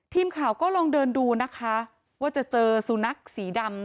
ทีมข่าวก็ลองเดินดูนะคะว่าจะเจอสุนัขสีดำ